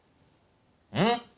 うん？